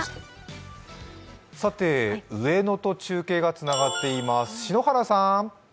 上野と中継がつながっています。